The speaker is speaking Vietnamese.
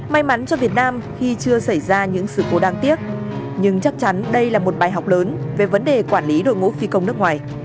may mắn cho việt nam khi chưa xảy ra những sự cố đáng tiếc nhưng chắc chắn đây là một bài học lớn về vấn đề quản lý đội ngũ phi công nước ngoài